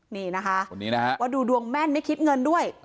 นี่นะคะว่าดูดวงแม่นไม่คิดเงินด้วย